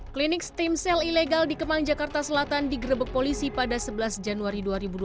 klinik stem cell ilegal di kemang jakarta selatan digerebek polisi pada sebelas januari dua ribu dua puluh